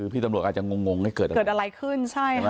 พี่ตำรวจอาจจะงงให้เกิดอะไรขึ้น